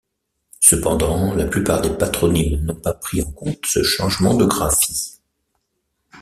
Cependant, la plupart des patronymes n'ont pas pris en compte ce changement de graphie.